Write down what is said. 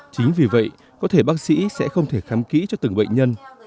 chính vì vậy có thể bác sĩ sẽ không thể khám kỹ cho từng bệnh nhân